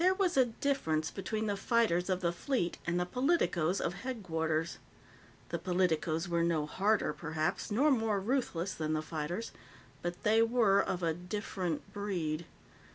There was a difference between the fighters of the Fleet and the politicoes of Headquarters. The politicoes were no harder, perhaps, nor more ruthless, than the fighters, but they were of a different breed.